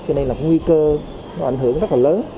cho nên là có nguy cơ nó ảnh hưởng rất là lớn